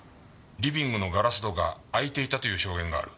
リビングのガラス戸が開いていたという証言がある。